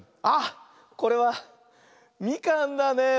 あっこれはみかんだね！